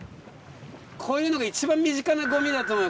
こういうのが一番身近なごみだと思う。